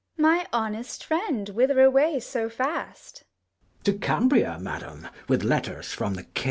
Gon. My honest friend, whither away so fast? 45 Mess. To Cambria, madam, with letters from the king.